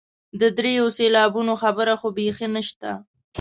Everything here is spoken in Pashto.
د دریو سېلابونو خبره خو بیخي نشته.